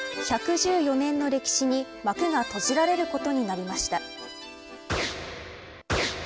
１１４年の歴史に幕が閉じられることになりました。